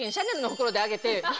であげて。